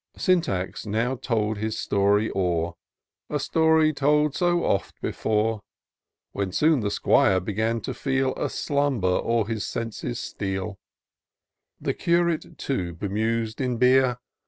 Syntax now told his story o'er, A story told so oft before ; ^x ^i :> When soon the 'Squire began to feel A slumber o'er his senses steal : The Curate, too, bemus'd in beer.